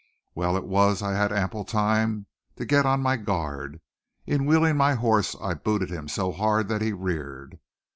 Well it was I had ample time to get on my guard! In wheeling my horse I booted him so hard that he reared.